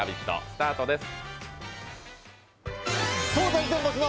スタートです。